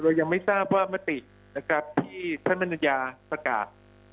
เรายังไม่ทราบว่ามัตินะครับที่ขั้นมนุญาประกาศ